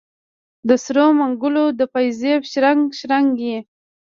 د سرو منګولو د پایزیب شرنګ، شرنګ یې